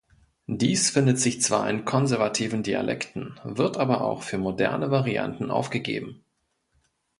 Dies findet sich zwar in konservativen Dialekten, wird aber auch für moderne Varianten aufgegeben.